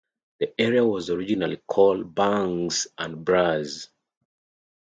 The area was originally called Banks and Braes.